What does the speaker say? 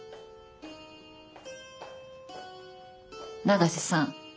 永瀬さん